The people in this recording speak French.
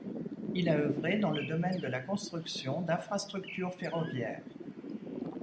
Il a œuvré dans le domaine de la construction d'infrastructures ferroviaires.